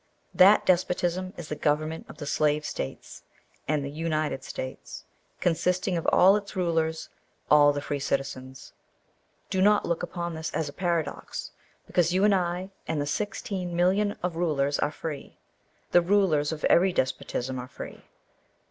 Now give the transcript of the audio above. That despotism is the government of the Slave States, and the United States, consisting of all its rulers all the free citizens. Do not look upon this as a paradox, because you and I and the sixteen millions of rulers are free. The rulers of every despotism are free.